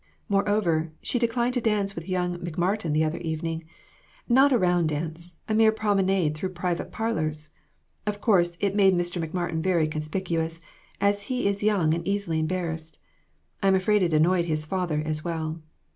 Moreover, she declined to dance with young McMartin the other evening not a round dance; a mere promenade through private parlors. Of course it made Mr. McMartin very conspicuous, as he is young and easily embarrassed. I am afraid it annoyed his father, as well.